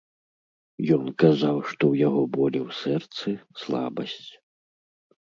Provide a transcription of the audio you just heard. Ён казаў, што ў яго болі ў сэрцы, слабасць.